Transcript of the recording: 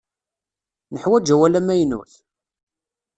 Neḥwaǧ awal amaynut?